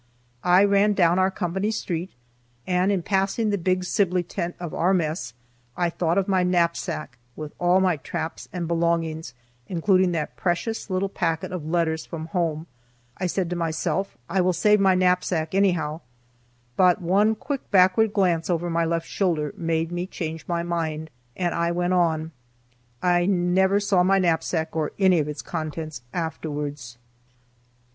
I ran down our company street, and in passing the big Sibley tent of our mess I thought of my knapsack with all my traps and belongings, including that precious little packet of letters from home. I said to myself, "I will save my knapsack, anyhow;" but one quick backward glance over my left shoulder made me change my mind, and I went on. I never saw my knapsack or any of its contents afterwards.